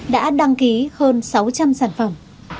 đã đăng ký hơn sáu trăm linh sản phẩm